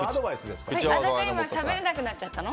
しゃべれなくなっちゃったの？